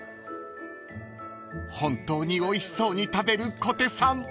［本当においしそうに食べる小手さん］